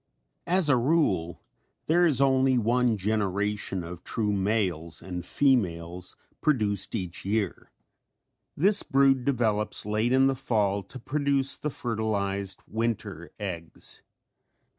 As a rule there is only one generation of true males and females produced each year. This brood develops late in the fall to produce the fertilized winter eggs.